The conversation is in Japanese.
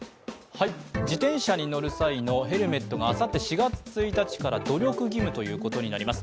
自転車に乗る際のヘルメットがあさって４月１日から努力義務ということになります。